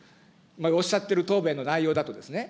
おっしゃってる答弁の内容だとですね。